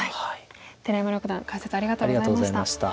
寺山六段解説ありがとうございました。